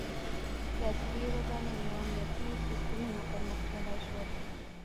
• د عصري ودانیو امنیتي سیستمونه پرمختللي شول.